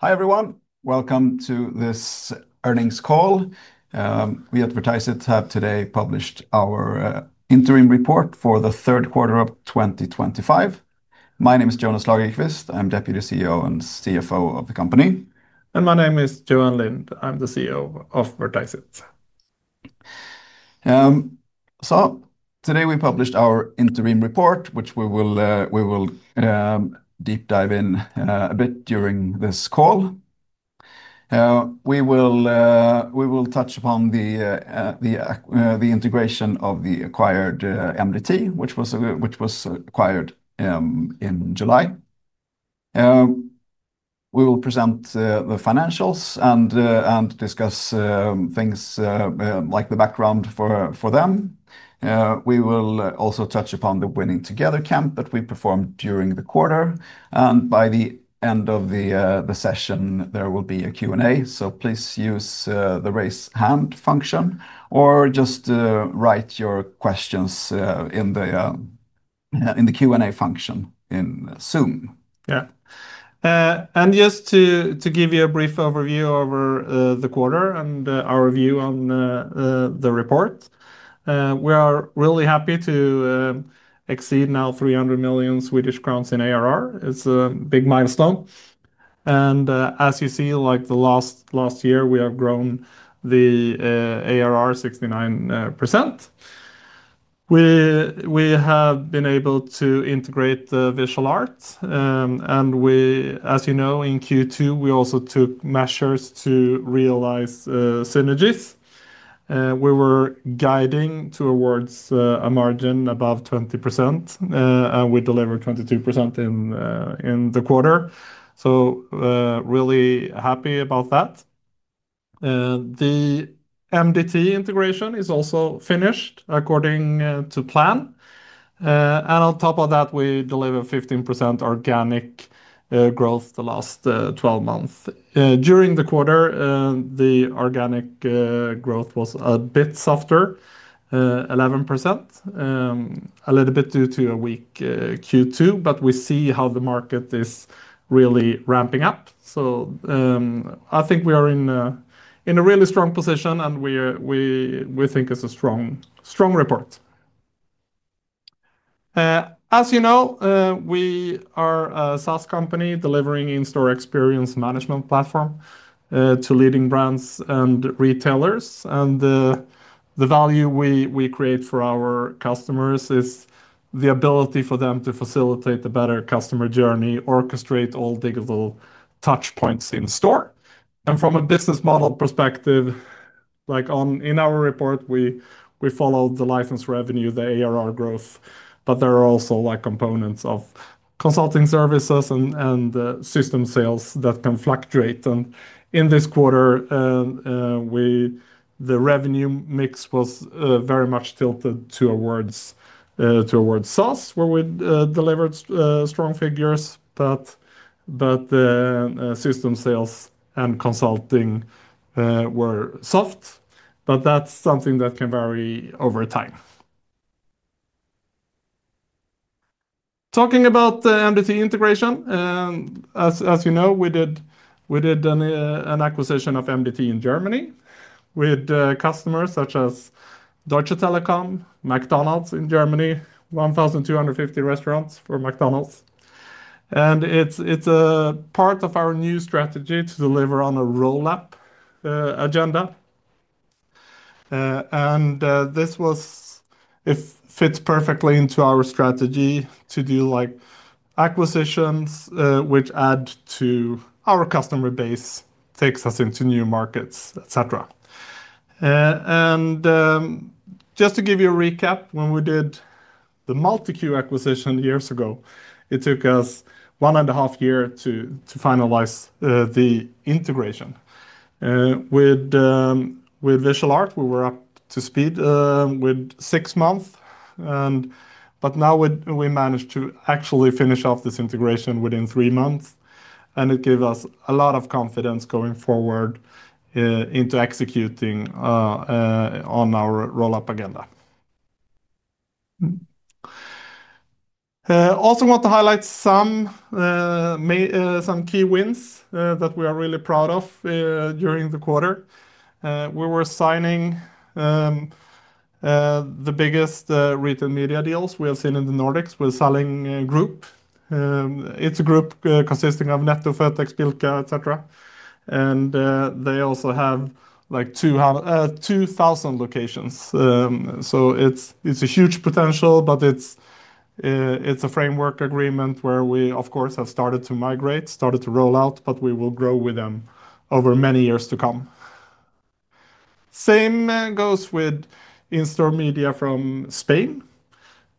Hi everyone, welcome to this earnings call. We at Vertiseit have today published our interim report for the third quarter of 2025. My name is Jonas Lagerqvist, I'm Deputy CEO and CFO of the company. My name is Johan Lind, I'm the CEO of Vertiseit. Today we published our interim report, which we will deep dive in a bit during this call. We will touch upon the integration of the acquired MDT, which was acquired in July. We will present the financials and discuss things like the background for them. We will also touch upon the Winning Together camp that we performed during the quarter. By the end of the session, there will be a Q&A, so please use the raise hand function or just write your questions in the Q&A function in Zoom. Yeah, and just to give you a brief overview of the quarter and our view on the report, we are really happy to exceed now 300 million Swedish crowns in ARR. It's a big milestone. As you see, like the last year, we have grown the ARR 69%. We have been able to integrate Visual Art. As you know, in Q2, we also took measures to realize synergies. We were guiding towards a margin above 20%, and we delivered 22% in the quarter. Really happy about that. The MDT integration is also finished according to plan. On top of that, we delivered 15% organic growth the last 12 months. During the quarter, the organic growth was a bit softer, 11%, a little bit due to a weak Q2, but we see how the market is really ramping up. I think we are in a really strong position, and we think it's a strong report. As you know, we are a SaaS company delivering in-store experience management platform to leading brands and retailers. The value we create for our customers is the ability for them to facilitate a better customer journey, orchestrate all digital touchpoints in store. From a business model perspective, like in our report, we followed the license revenue, the ARR growth, but there are also components of consulting services and system sales that can fluctuate. In this quarter, the revenue mix was very much tilted towards SaaS, where we delivered strong figures, but the system sales and consulting were soft. That's something that can vary over time. Talking about the MDT integration, as you know, we did an acquisition of MDT in Germany with customers such as Deutsche Telekom, McDonald's in Germany, 1,250 restaurants for McDonald's. It's a part of our new strategy to deliver on a roll-up agenda. This fits perfectly into our strategy to do acquisitions, which add to our customer base, take us into new markets, etc. Just to give you a recap, when we did the MultiQ acquisition years ago, it took us one and a half years to finalize the integration. With Visual Art, we were up to speed within six months, but now we managed to actually finish off this integration within three months. It gave us a lot of confidence going forward into executing on our roll-up agenda. I also want to highlight some key wins that we are really proud of during the quarter. We were signing the biggest retail media deals we have seen in the Nordics with Salling Group. It's a group consisting of Netto, Føtex, Bilka, etc. They also have like 2,000 locations. It is a huge potential, but it is a framework agreement where we, of course, have started to migrate, started to roll out, and we will grow with them over many years to come. The same goes with in-Store Media from Spain.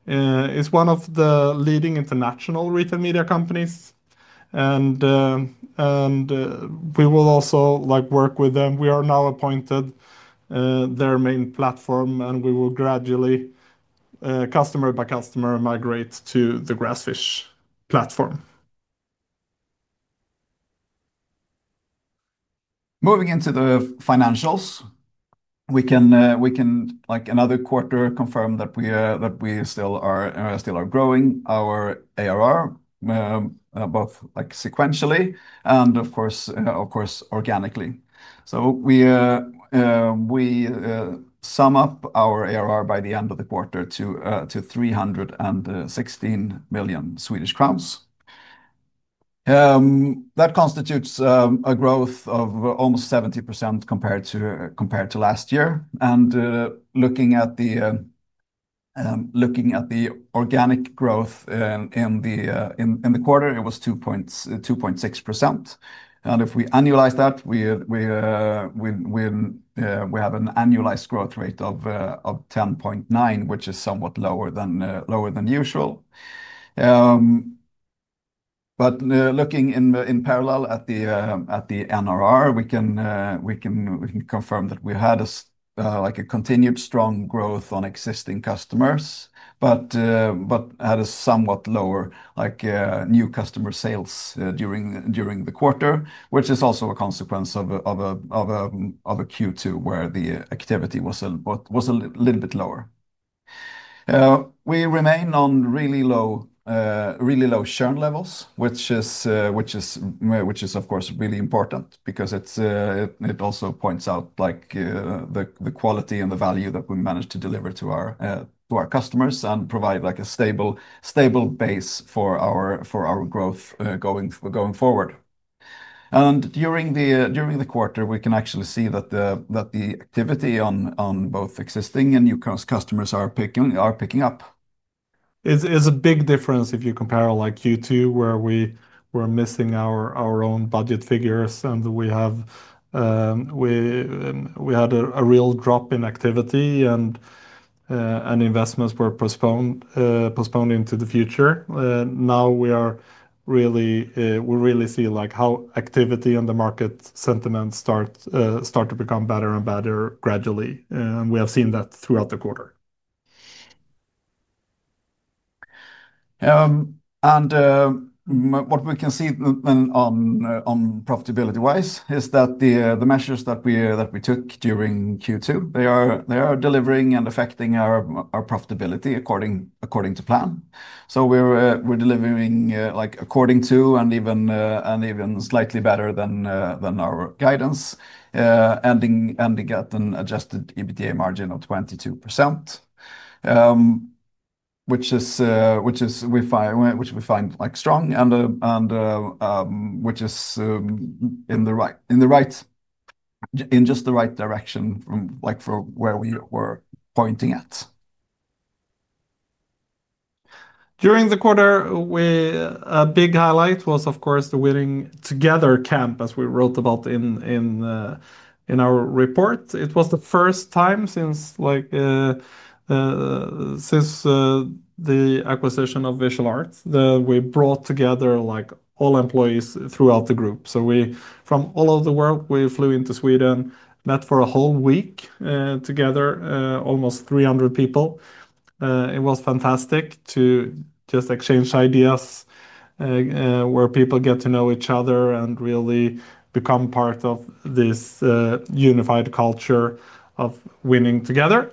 It is one of the leading international retail media companies, and we will also work with them. We are now appointed their main platform, and we will gradually, customer by customer, migrate to the Grassfish platform. Moving into the financials, we can, like another quarter, confirm that we still are growing our ARR, both sequentially and, of course, organically. We sum up our ARR by the end of the quarter to 316 million Swedish crowns. That constitutes a growth of almost 70% compared to last year. Looking at the organic growth in the quarter, it was 2.6%. If we annualize that, we have an annualized growth rate of 10.9%, which is somewhat lower than usual. Looking in parallel at the NRR, we can confirm that we had a continued strong growth on existing customers, but had a somewhat lower new customer sales during the quarter, which is also a consequence of a Q2 where the activity was a little bit lower. We remain on really low churn levels, which is, of course, really important because it also points out the quality and the value that we managed to deliver to our customers and provide a stable base for our growth going forward. During the quarter, we can actually see that the activity on both existing and new customers are picking up. It's a big difference if you compare like Q2, where we were missing our own budget figures, and we had a real drop in activity, and investments were postponed into the future. Now we really see like how activity and the market sentiment start to become better and better gradually, and we have seen that throughout the quarter. What we can see on profitability-wise is that the measures that we took during Q2 are delivering and affecting our profitability according to plan. We're delivering like according to and even slightly better than our guidance, ending at an adjusted EBITDA margin of 22%, which we find strong and which is in the right direction from like where we were pointing at. During the quarter, a big highlight was, of course, the Winning Together camp, as we wrote about in our report. It was the first time since the acquisition of Visual Art that we brought together all employees throughout the group. From all over the world, we flew into Sweden, met for a whole week together, almost 300 people. It was fantastic to just exchange ideas where people get to know each other and really become part of this unified culture of winning together.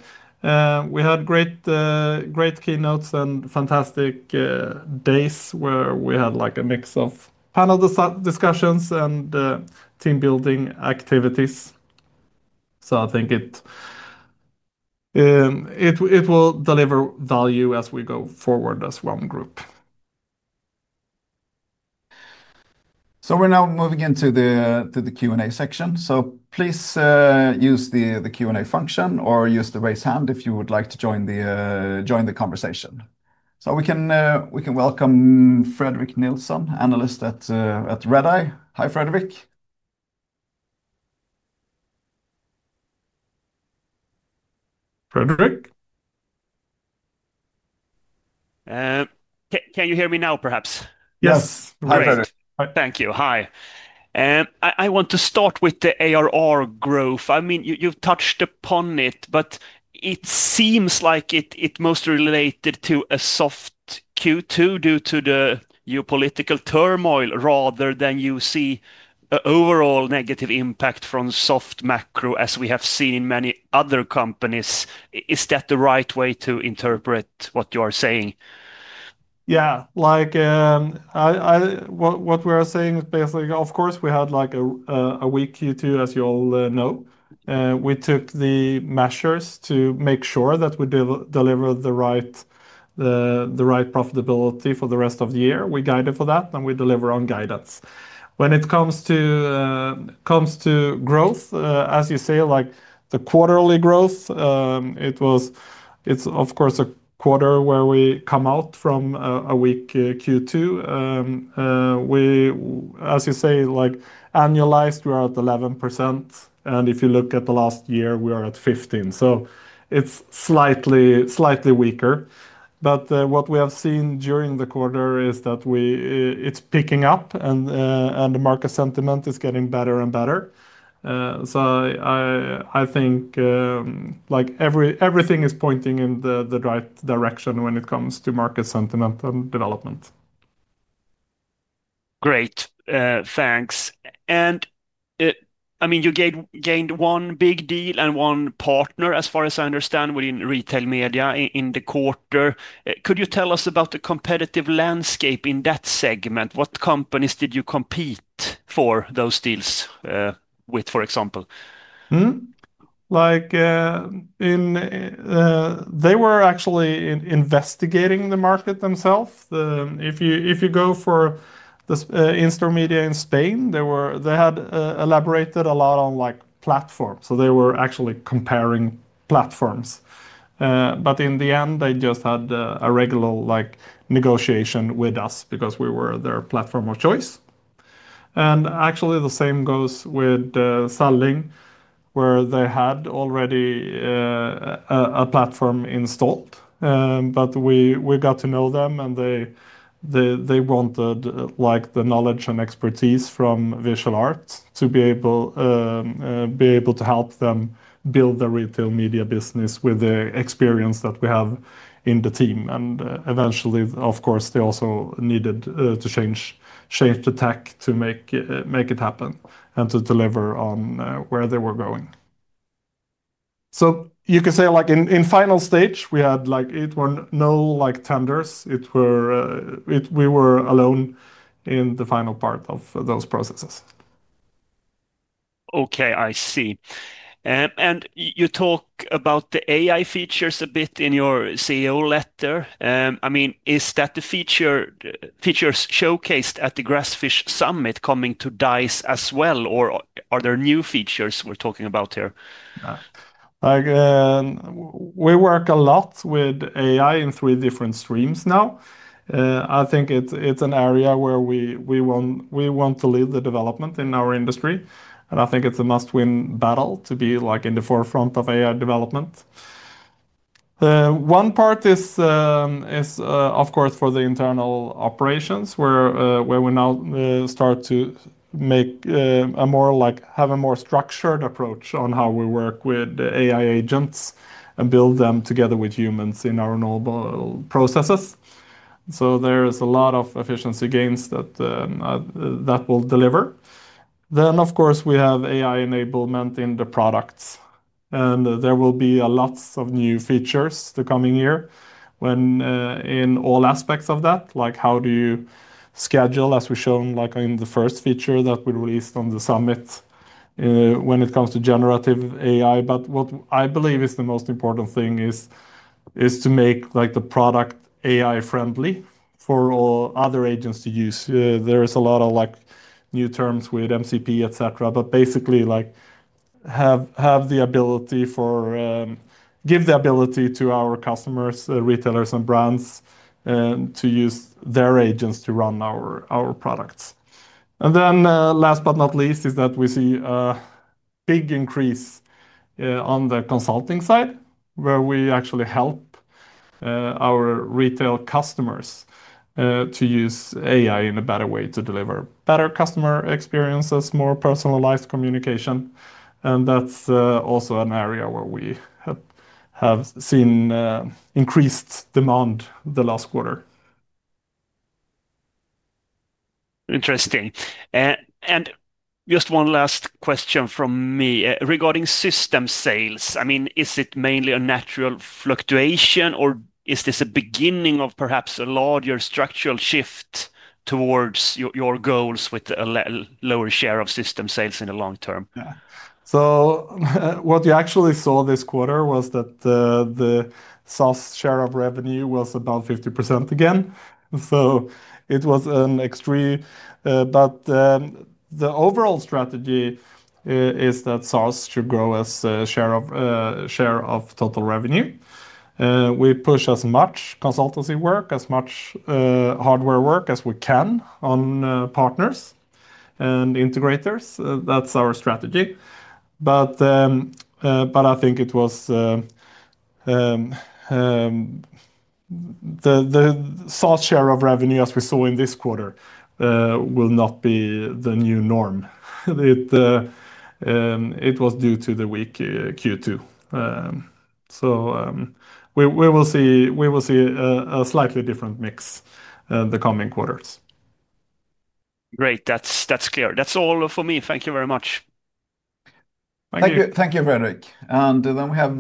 We had great keynotes and fantastic days where we had a mix of panel discussions and team building activities. I think it will deliver value as we go forward as one group. We are now moving into the Q&A section. Please use the Q&A function or use the raise hand if you would like to join the conversation. We can welcome Fredrik Nilsson, Analyst at Redeye. Hi Fredrik. Can you hear me now, perhaps? Yes, hi Fredrik. Thank you, hi. I want to start with the ARR growth. I mean, you've touched upon it, but it seems like it's most related to a soft Q2 due to the geopolitical turmoil rather than you see an overall negative impact from soft macro as we have seen in many other companies. Is that the right way to interpret what you are saying? Yeah, like what we are saying is basically, of course, we had a weak Q2, as you all know. We took the measures to make sure that we delivered the right profitability for the rest of the year. We guided for that and we deliver on guidance. When it comes to growth, as you say, like the quarterly growth, it's, of course, a quarter where we come out from a weak Q2. As you say, like annualized, we are at 11% and if you look at the last year, we are at 15%. It's slightly weaker. What we have seen during the quarter is that it's picking up and the market sentiment is getting better and better. I think like everything is pointing in the right direction when it comes to market sentiment and development. Great, thanks. I mean, you gained one big deal and one partner, as far as I understand, within retail media in the quarter. Could you tell us about the competitive landscape in that segment? What companies did you compete for those deals with, for example? They were actually investigating the market themselves. If you go for in-Store Media in Spain, they had elaborated a lot on platforms. They were actually comparing platforms. In the end, they just had a regular negotiation with us because we were their platform of choice. The same goes with Salling Group, where they had already a platform installed. We got to know them and they wanted the knowledge and expertise from Visual Art to be able to help them build their retail media business with the experience that we have in the team. Eventually, of course, they also needed to change the tech to make it happen and to deliver on where they were going. You can say in the final stage, we had no tenders. We were alone in the final part of those processes. Okay, I see. You talk about the AI features a bit in your CEO letter. Is that the feature showcased at the Grassfish Summit coming to DICE as well, or are there new features we're talking about here? We work a lot with AI in three different streams now. I think it's an area where we want to lead the development in our industry. I think it's a must-win battle to be in the forefront of AI development. One part is, of course, for the internal operations where we now start to have a more structured approach on how we work with AI agents and build them together with humans in our normal processes. There is a lot of efficiency gains that we'll deliver. We have AI enablement in the products, and there will be lots of new features to come in here in all aspects of that, like how do you schedule, as we've shown in the first feature that we released on the summit when it comes to generative AI. What I believe is the most important thing is to make the product AI-friendly for all other agents to use. There are a lot of new terms with MCP, etc. Basically, have the ability to give the ability to our customers, retailers, and brands to use their agents to run our products. Last but not least, we see a big increase on the consulting side where we actually help our retail customers to use AI in a better way to deliver better customer experiences, more personalized communication. That's also an area where we have seen increased demand the last quarter. Interesting. Just one last question from me regarding system sales. Is it mainly a natural fluctuation, or is this a beginning of perhaps a larger structural shift towards your goals with a lower share of system sales in the long term? Yeah, so what you actually saw this quarter was that the SaaS share of revenue was about 50% again. It was an extreme. The overall strategy is that SaaS should grow as a share of total revenue. We push as much consulting work, as much hardware work as we can on partners and integrators. That's our strategy. I think the SaaS share of revenue, as we saw in this quarter, will not be the new norm. It was due to the weak Q2. We will see a slightly different mix in the coming quarters. Great, that's clear. That's all for me. Thank you very much. Thank you, Fredrik. We have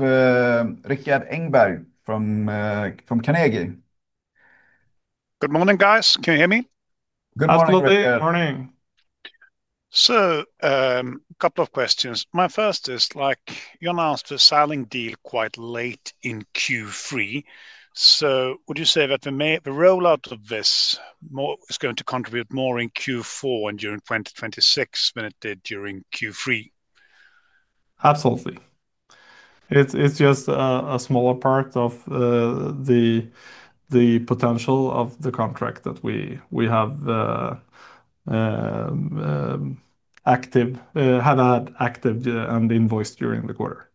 Rikard Engberg from Carnegie. Good morning, guys. Can you hear me? Absolutely. Good morning. A couple of questions. My first is, like you announced the Salling Group deal quite late in Q3. Would you say that the rollout of this is going to contribute more in Q4 and during 2026 than it did during Q3? Absolutely. It's just a smaller part of the potential of the contract that we have had active and invoiced during the quarter.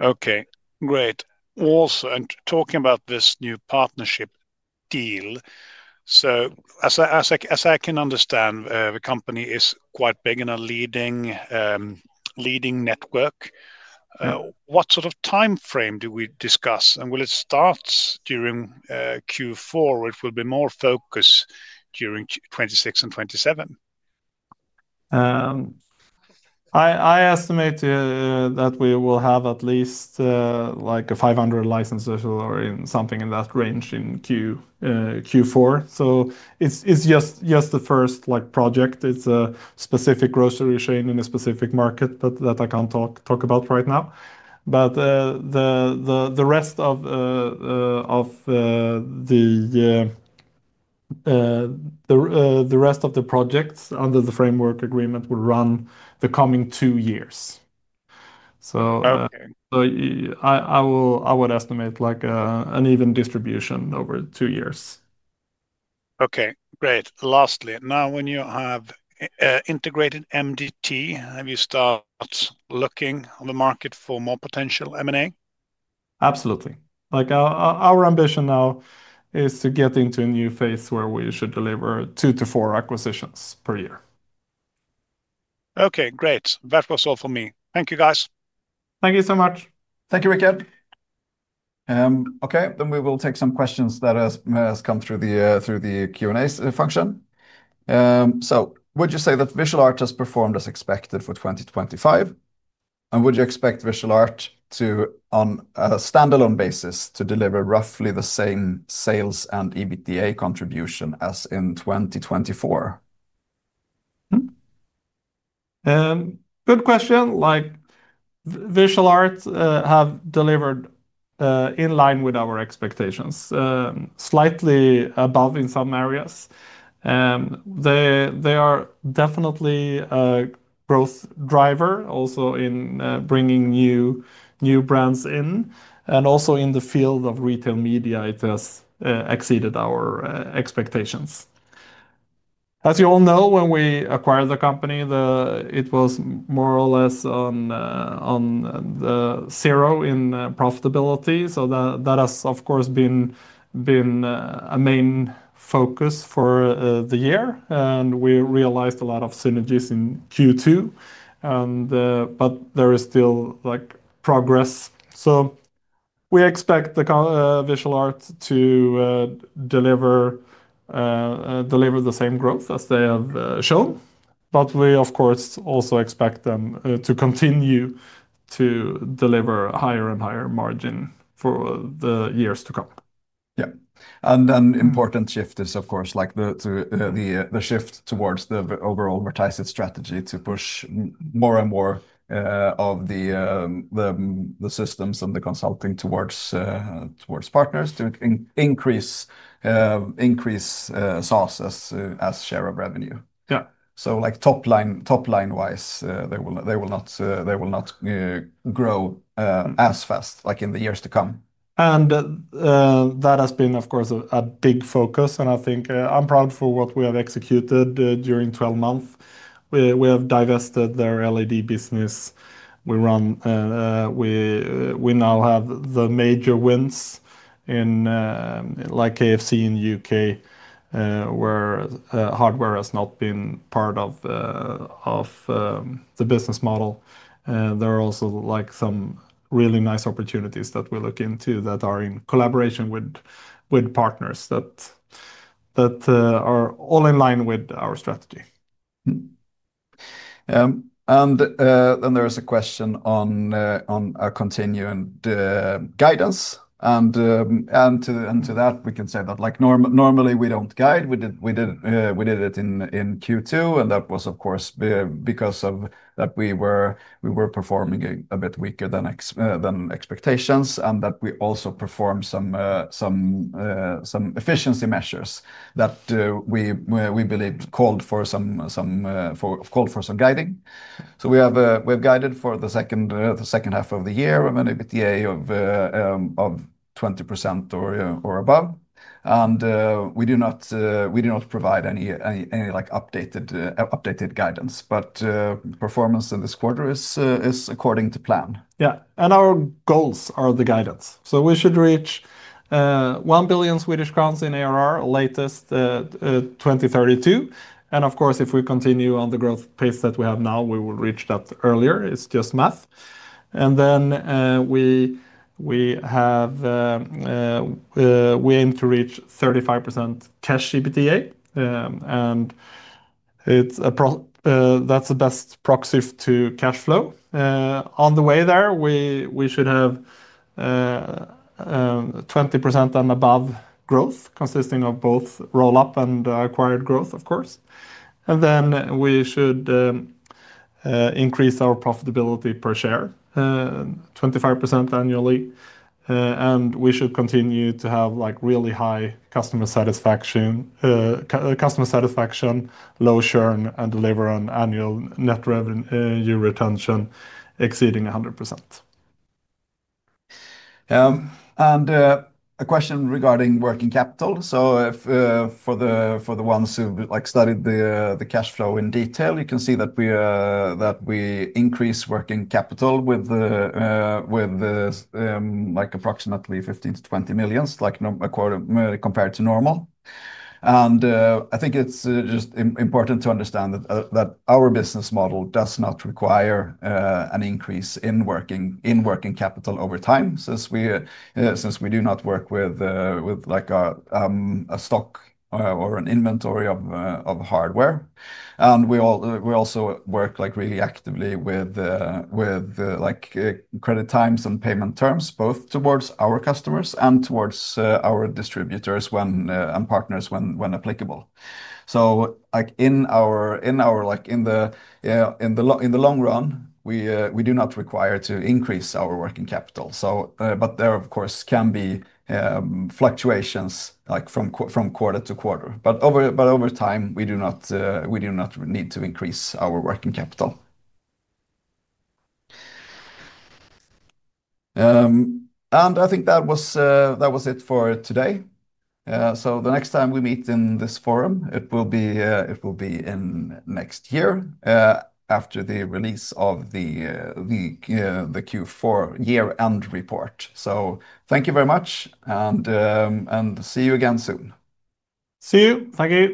Okay, great. Also, talking about this new partnership deal, as I can understand, the company is quite big in a leading network. What sort of timeframe do we discuss, and will it start during Q4, or will it be more focused during 2026 and 2027? I estimate that we will have at least 500 licenses or something in that range in Q4. It's just the first project. It's a specific grocery chain in a specific market that I can't talk about right now. The rest of the projects under the framework agreement will run the coming two years. I would estimate an even distribution over two years. Okay, great. Lastly, now when you have integrated MDT, have you started looking on the market for more potential M&A? Absolutely. Our ambition now is to get into a new phase where we should deliver two to four acquisitions per year. Okay, great. That was all for me. Thank you, guys. Thank you so much. Thank you, Rikard. Okay, we will take some questions that have come through the Q&A function. Would you say that Visual Art has performed as expected for 2025? Would you expect Visual Art to, on a standalone basis, deliver roughly the same sales and EBITDA contribution as in 2024? Good question. Visual Art has delivered in line with our expectations, slightly above in some areas. They are definitely a growth driver, also in bringing new brands in. Also, in the field of retail media, it has exceeded our expectations. As you all know, when we acquired the company, it was more or less on zero in profitability. That has, of course, been a main focus for the year. We realized a lot of synergies in Q2. There is still progress. We expect Visual Art to deliver the same growth as they have shown. We, of course, also expect them to continue to deliver higher and higher margin for the years to come. Yeah, an important shift is, of course, the shift towards the overall Vertiseit strategy to push more and more of the systems and the consulting towards partners to increase SaaS as share of revenue. Yeah, top line wise, they will not grow as fast in the years to come. That has been, of course, a big focus. I think I'm proud for what we have executed during 12 months. We have divested their LED business. We now have the major wins in like KFC in the UK, where hardware has not been part of the business model. There are also like some really nice opportunities that we look into that are in collaboration with partners that are all in line with our strategy. There is a question on our continuing guidance. To that, we can say that normally we don't guide. We did it in Q2, and that was, of course, because we were performing a bit weaker than expectations and we also performed some efficiency measures that we believe called for some guiding. We have guided for the second half of the year of an EBITDA of 20% or above. We do not provide any updated guidance. Performance in this quarter is according to plan. Yeah, our goals are the guidance. We should reach 1 billion Swedish crowns in ARR latest 2032. Of course, if we continue on the growth pace that we have now, we will reach that earlier. It's just math. We aim to reach 35% cash EBITDA, and that's the best proxy to cash flow. On the way there, we should have 20% and above growth consisting of both roll-up and acquired growth, of course. We should increase our profitability per share 25% annually. We should continue to have really high customer satisfaction, low churn, and deliver an annual net revenue retention exceeding 100%. A question regarding working capital. For the ones who studied the cash flow in detail, you can see that we increase working capital with approximately 15 million-20 million compared to normal. I think it's just important to understand that our business model does not require an increase in working capital over time, since we do not work with a stock or an inventory of hardware. We also work really actively with credit times and payment terms, both towards our customers and towards our distributors and partners when applicable. In the long run, we do not require to increase our working capital. There, of course, can be fluctuations from quarter to quarter. Over time, we do not need to increase our working capital. I think that was it for today. The next time we meet in this forum, it will be next year after the release of the Q4 year-end report. Thank you very much, and see you again soon. See you. Thank you.